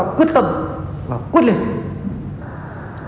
và quyết tâm và quyết liệt